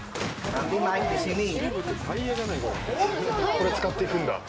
これ使って行くんだ。